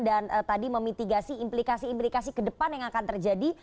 dan tadi memitigasi implikasi implikasi ke depan yang akan terjadi